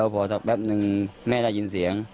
พอสักแป๊บนึงแม่ได้ยินเสียง